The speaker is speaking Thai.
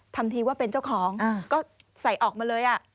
ทำทีว่าเป็นเจ้าของก็ใส่ออกมาเลย